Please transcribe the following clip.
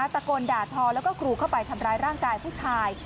ตะโกนด่าทอแล้วก็ครูเข้าไปทำร้ายร่างกายผู้ชาย